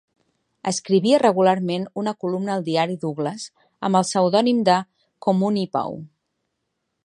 Escrivia regularment una columna al diari Douglass amb el pseudònim de "Communipaw".